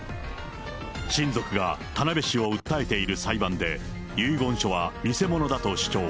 親族が田辺市を訴えている裁判で、遺言書は偽物だと主張。